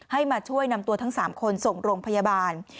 มาช่วยนำตัวทั้ง๓คนส่งโรงพยาบาล